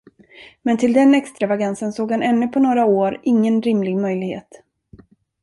Men till den extravagansen såg han ännu på några år ingen rimlig möjlighet.